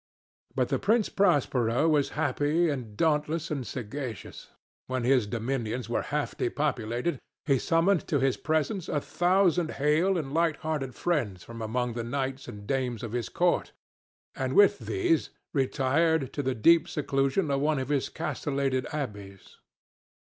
But the Prince Prospero was happy and dauntless and sagacious. When his dominions were half depopulated, he summoned to his presence a thousand hale and light hearted friends from among the knights and dames of his court, and with these retired to the deep seclusion of one of his castellated abbeys.